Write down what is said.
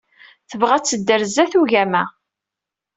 Tebɣa ad tedder sdat ugama.